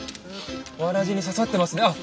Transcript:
わらじに刺さってますあっ